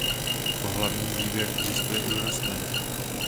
Pohlavní výběr existuje i u rostlin.